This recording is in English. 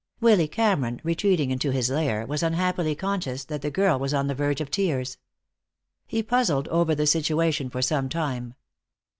Willy Cameron, retreating into his lair, was unhappily conscious that the girl was on the verge of tears. He puzzled over the situation for some time.